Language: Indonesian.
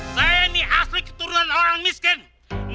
saya ini asli keturunan orang miskin